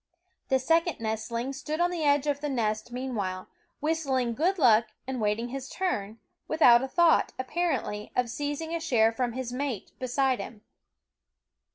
The second nestling stood on the edge of the nest meanwhile, whistling good luck and waiting his turn, without a thought, apparently, of seizing a share from his mate beside him.